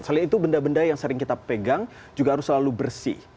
selain itu benda benda yang sering kita pegang juga harus selalu bersih